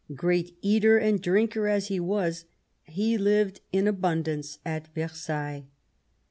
Great eater and drinker as he was, he lived in abundance at Versailles.